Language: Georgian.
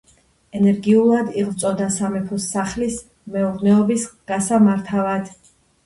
ენერგიულად იღვწოდა სამეფო სახლის მეურნეობის გასამართავად.